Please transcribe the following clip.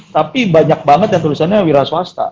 tapi banyak banget yang tulisannya wiraswasta